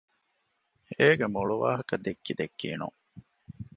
އޭގެ މޮޅު ވާހަކަ ދެއްކި ދެއްކީނުން